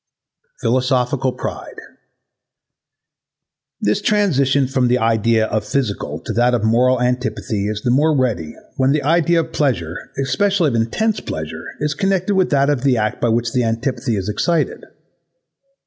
Philosophical pride This transition from the idea of physical to that of moral antipathy is the more ready when the idea of pleasure, especially of intense pleasure, is connected with that of the act by which the antipathy is excited.